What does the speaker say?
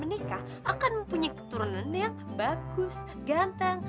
menikah akan mempunyai keturunan yang bagus ganteng